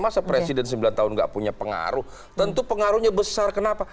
masa presiden sembilan tahun gak punya pengaruh tentu pengaruhnya besar kenapa